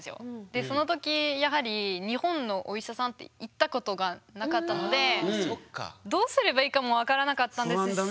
でその時やはり日本のお医者さんって行ったことがなかったのでどうすればいいかも分からなかったんですし。